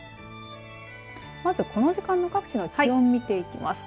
まず、この時間の各地の気温見ていきます。